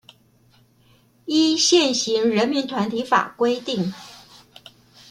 依現行人民團體法規定